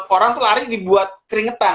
orang tuh lari dibuat keringetan